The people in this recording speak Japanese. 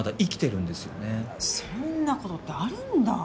そんな事ってあるんだ。